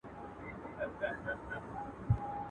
o چي شلومبې دي خوښي دي، ځان ته غوا واخله.